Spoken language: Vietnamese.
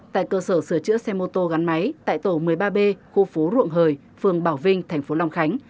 tại cơ sở sửa chữa xe mô tô gắn máy tại tổ một mươi ba b khu phố ruộng hời phường bảo vinh tp long khánh